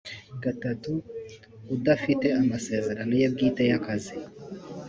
iii udafite amasezerano ye bwite y akazi